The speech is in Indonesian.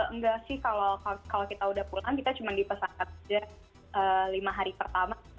enggak sih kalau kita udah pulang kita cuma di pesangkat aja lima hari pertama